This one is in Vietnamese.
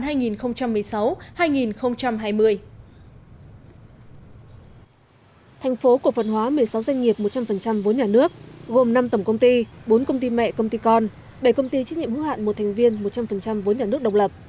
thành phố cổ phần hóa một mươi sáu doanh nghiệp một trăm linh vốn nhà nước gồm năm tổng công ty bốn công ty mẹ công ty con bảy công ty trách nhiệm hữu hạn một thành viên một trăm linh vốn nhà nước độc lập